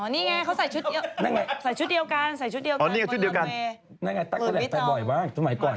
อ๋อนี่ไงเขาใส่ชุดเดียวกันใส่ชุดเดียวกันใส่ชุดเดียวกันอ๋อนี่ไงชุดเดียวกัน